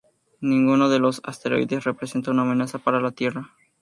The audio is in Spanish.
Ninguno de los asteroides representa una amenaza para la Tierra.